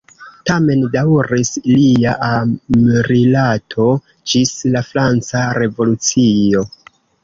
Tamen daŭris ilia amrilato ĝis la franca revolucio.